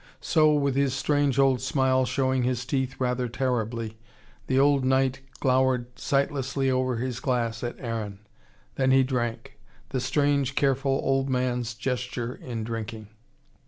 So, with his strange, old smile showing his teeth rather terribly, the old knight glowered sightlessly over his glass at Aaron. Then he drank: the strange, careful, old man's gesture in drinking.